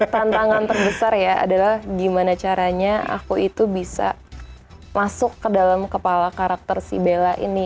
tantangan terbesar ya adalah gimana caranya aku itu bisa masuk ke dalam kepala karakter si bella ini